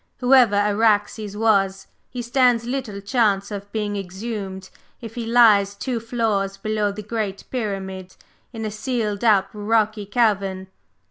Whoever Araxes was, he stands little chance of being exhumed if he lies two floors below the Great Pyramid in a sealed up rocky cavern!